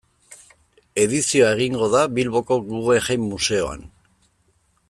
Edizioa egingo da Bilboko Guggenheim museoan.